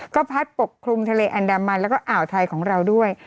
ก็พัดปกคลุมทะเลอันดามันแล้วก็อ่าวไทยของเราด้วย